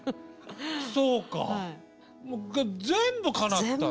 そうか全部かなった。